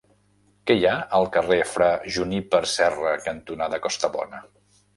Què hi ha al carrer Fra Juníper Serra cantonada Costabona?